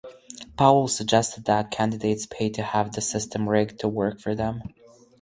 Powell suggested that candidates "paid to have the system rigged to work for them".